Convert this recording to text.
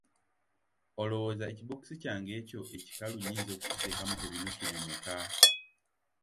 Olowooza ekibookisi kyange ekyo ekikalu nnyinza kukiteekamu ebinusu bimeka?